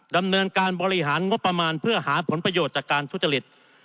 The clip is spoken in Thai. ดำเนินการบริหารงบประมาณเพื่อหาผลประโยชน์จากการทุจริต